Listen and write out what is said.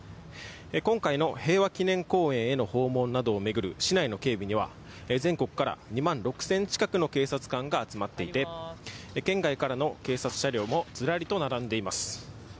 今回の平和記念公園への訪問などを巡る市内の警備には全国から２万６０００近くの警察官が集まっていて県外からの警察車両もずらりと並んでいます。